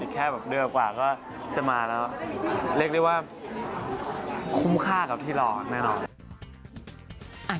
แค่แบบเดือนกว่าก็จะมาแล้วเรียกได้ว่าคุ้มค่ากับที่รอแน่นอน